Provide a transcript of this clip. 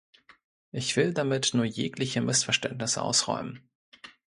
Ich will damit nur jegliche Missverständnisse ausräumen.